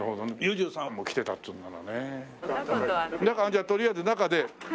じゃあとりあえず中で。